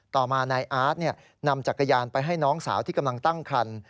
ต่อมานายอาร์ตนำจักรยานไปให้น้องสาวที่กำลังตั้งคัน